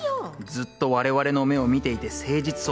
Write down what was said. ずっと我々の目を見ていて誠実そうでしたし